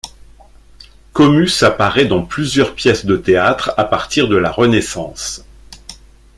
Comus apparaît dans plusieurs pièces de théâtre à partir de la Renaissance.